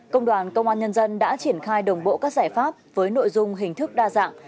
công đoàn công an nhân dân đã triển khai đồng bộ các giải pháp với nội dung hình thức đa dạng